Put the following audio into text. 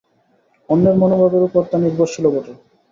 অন্যের মনোভাবের উপর তা নির্ভরশীলও বটে।